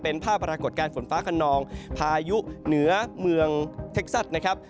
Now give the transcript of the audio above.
เป็นภาพปรากฏการณ์ฝนฟ้าขนองพายุเหนือเมืองเท็กซัสนะครับ